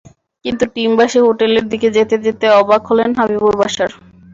কিন্তু টিম বাসে হোটেলের দিকে যেতে যেতে অবাক হলেন হাবিবুল বাশার।